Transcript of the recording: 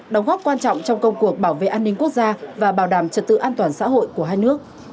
đóng góp quan trọng trong công cuộc bảo vệ an ninh quốc gia và bảo đảm trật tự an toàn xã hội của hai nước